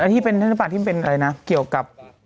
ที่เป็นอะไรนะเกี่ยวกับ